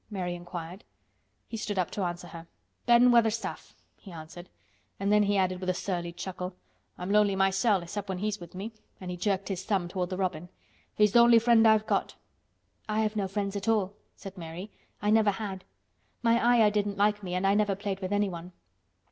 Mary inquired. He stood up to answer her. "Ben Weatherstaff," he answered, and then he added with a surly chuckle, "I'm lonely mysel' except when he's with me," and he jerked his thumb toward the robin. "He's th' only friend I've got." "I have no friends at all," said Mary. "I never had. My Ayah didn't like me and I never played with anyone."